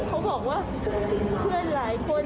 เขาบอกว่าพี่คุณหลายคน